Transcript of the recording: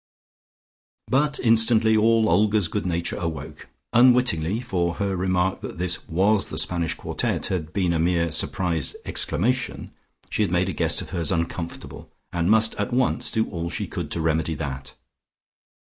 But instantly all Olga's good nature awoke: unwittingly (for her remark that this was the Spanish Quartet had been a mere surprised exclamation), she had made a guest of hers uncomfortable, and must at once do all she could to remedy that.